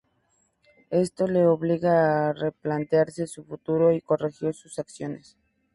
Esto le obliga a replantearse su futuro y corregir sus acciones.